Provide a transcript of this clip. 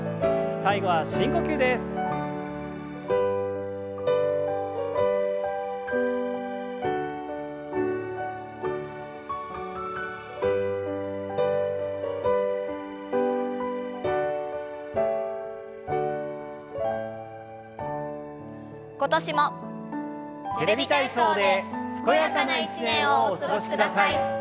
「テレビ体操」で健やかな一年をお過ごしください。